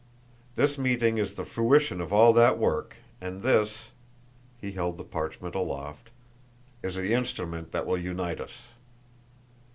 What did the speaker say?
This meeting is the fruition of all that work, and this," he held the parchment aloft, "is the instrument that will unite us.